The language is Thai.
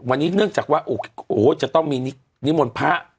วันนี้เนื่องจากว่าโอ้โหจะต้องมีนิมนต์พระ